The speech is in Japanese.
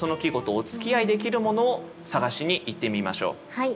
はい。